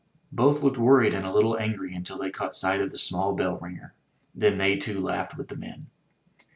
Both looked worried and a little angry until they caught sight of the small bell ringer. Then they too laughed with the men.